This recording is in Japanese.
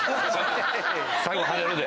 最後跳ねるで。